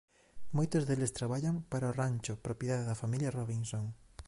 Moitos deles traballan para o rancho propiedade da familia Robinson.